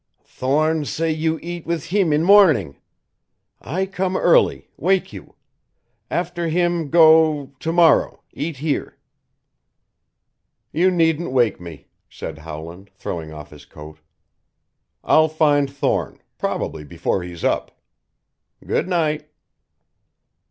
"Thorne say you eat with heem in mornin'. I come early wake you. After heem go to morrow eat here." "You needn't wake me," said Howland, throwing off his coat. "I'll find Thorne probably before he's up. Good night."